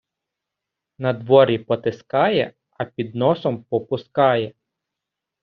Надворі потискає, а під носом попускає.